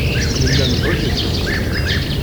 Nella neḥwaj-ikem.